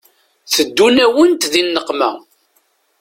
Teddun-awent di nneqma.